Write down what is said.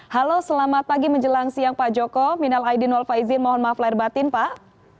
halo selamat pagi menjelang siang pak joko minal aidin walfaizin mohon maaf lahir batin pak